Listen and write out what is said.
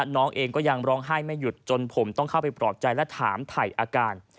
น้องเองก็ยังร้องไห้ไม่หยุดจนผมต้องเข้าไปปลอบใจและถามถ่ายอาการ